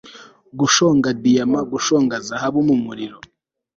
gushonga diyama, gushonga zahabu mumuriro